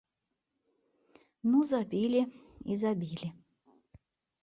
Ну забілі і забілі.